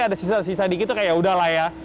ada sisa sisa dikit tuh kayak ya udahlah ya